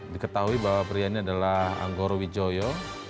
diketahui bahwa pria ini adalah anggoro wijoyo